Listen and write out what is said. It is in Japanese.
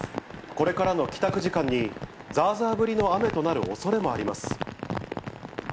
これからの帰宅時間に、ざーざー降りの雨となるおそれもあります。